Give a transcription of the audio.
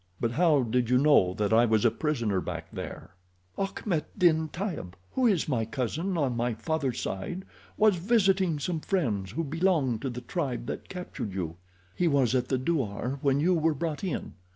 But how did you know that I was a prisoner back there?" "Achmet din Taieb, who is my cousin on my father's side, was visiting some friends who belong to the tribe that captured you. He was at the douar when you were brought in.